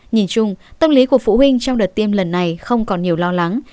nhìn chung tâm lý của phụ huynh trong đợt tiêm lần này không còn nhiều lo lắng